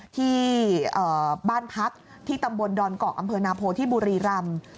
ที่บ้านพักที่ตำบลดอนเกาะอำเภอนาโพที่บุรีรำ